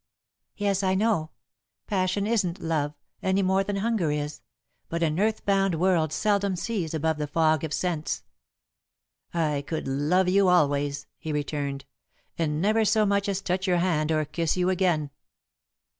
"Yes, I know. Passion isn't love any more than hunger is, but an earth bound world seldom sees above the fog of sense." "I could love you always," he returned, "and never so much as touch your hand or kiss you again."